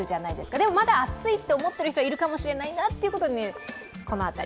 でもまだ暑いと思っている人がいるかもしれないなと、この辺り。